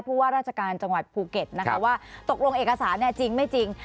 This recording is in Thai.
ว่าราชการจังหวัดภูเก็ตนะคะว่าตกลงเอกสารจริงไม่จริง